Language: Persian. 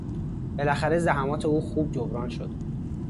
بالاخره زحمات او خوب جبران شد.